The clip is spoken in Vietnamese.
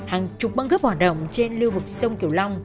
hàng chục băng gấp hoạt động trên lưu vực sông kiều long